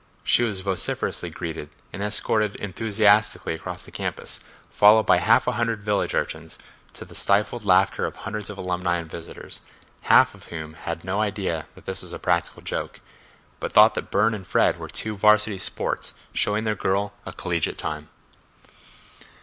She was vociferously greeted and escorted enthusiastically across the campus, followed by half a hundred village urchins—to the stifled laughter of hundreds of alumni and visitors, half of whom had no idea that this was a practical joke, but thought that Burne and Fred were two varsity sports showing their girl a collegiate time.